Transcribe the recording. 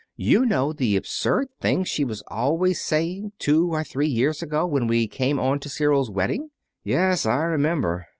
"You know the absurd things she was always saying two or three years ago, when we came on to Cyril's wedding." "Yes, I remember."